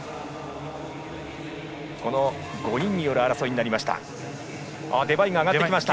その５人による争いになりました。